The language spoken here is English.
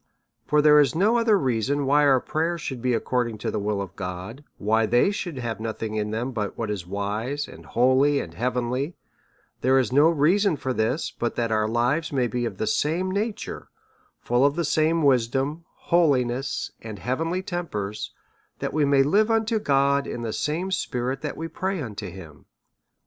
For there is no other reason why our pray ers should be according to the will of God, why they should have nothing in them but what is wise, and holy, and heavenly, there is no other reason for this, but that our lives may be of the same nature, full of the same wisdom, holiness, and heavenly tempers, that we may live unto God in the same spirit that we pray unto him.